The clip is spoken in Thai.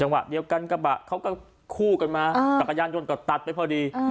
เพราะว่าเดียวกันกระบะเขาก็คู่กันมากระยังจนก็ตัดไปพอดี